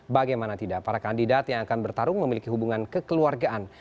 bagaimana tidak para kandidat yang akan bertarung memiliki hubungan kekeluargaan